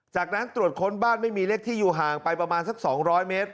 จากนั้นตรวจค้นบ้านไม่มีเลขที่อยู่ห่างไปประมาณสัก๒๐๐เมตร